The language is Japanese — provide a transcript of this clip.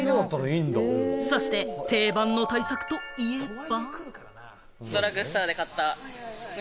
そして定番の対策といえば。